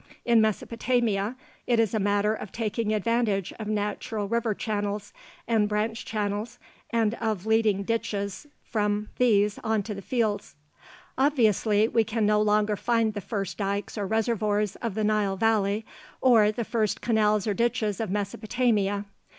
In Mesopotamia, it is a matter of taking advantage of natural river channels and branch channels, and of leading ditches from these onto the fields. Obviously, we can no longer find the first dikes or reservoirs of the Nile Valley, or the first canals or ditches of Mesopotamia.